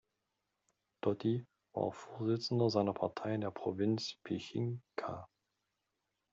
Dotti war auch Vorsitzender seiner Partei in der Provinz Pichincha.